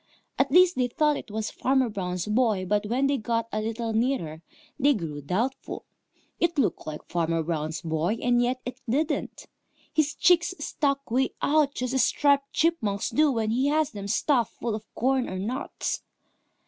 At least, they thought it was Farmer Brown's boy, but when they got a little nearer, they grew doubtful. It looked like Farmer Brown's boy, and yet it didn't. His cheeks stuck way out just as Striped Chipmunk's do when he has them stuffed full of corn or nuts.